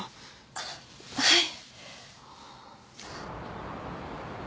あっはい。